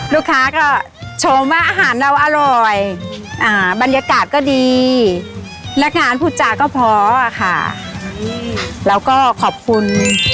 ลูกค้าก็ชมว่าอาหารเราอร่อยบรรยากาศก็ดีนักงานพูดจาก็พอค่ะแล้วก็ขอบคุณ